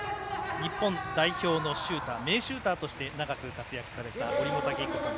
日本代表の名シューターとして長く活躍された折茂武彦さん。